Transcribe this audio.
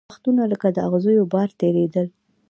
وختونه لکه د اغزیو باره تېرېدل